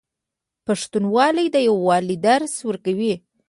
پښتونولي د یووالي درس ورکوي.